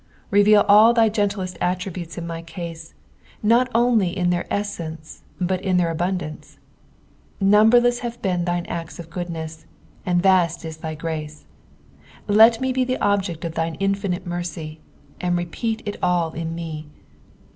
RcTeal all thy gentlest attributes in my case, not only in their easence but in their abundance. Numberless have been thine acis of gondness, nnii vast is thy grace ; let roe be the object of thine infinite mercy, and repent it all in mc.